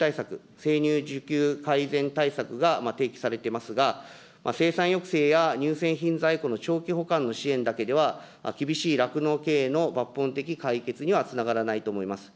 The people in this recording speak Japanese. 今回の補正予算では、配合飼料価格高騰緊急対策、生乳需給改善対策が提起されていますが、生産抑制や乳製品在庫の長期保管の支援だけでは、厳しい酪農経営の抜本的解決にはつながらないと思います。